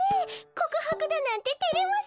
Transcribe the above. こくはくだなんててれますよ。